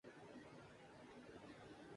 ان کے کریکٹر کا حصہ بنیں۔